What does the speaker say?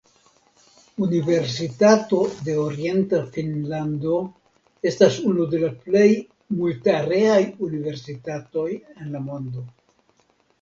Universitato de Orienta Finnlando estas unu de plej multareaj universitatoj en la mondo.